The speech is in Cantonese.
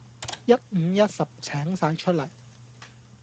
一五一十請曬出嚟